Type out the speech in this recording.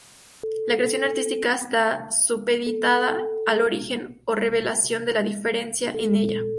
La creación artística está supeditada al origen o revelación de la diferencia en ella.